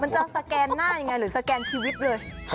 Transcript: จะสแกนหน้ายังไงหรือสแกนชีวิตเลย